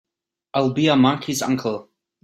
I'll be a monkey's uncle!